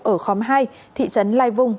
ở khóm hai thị trấn lai vung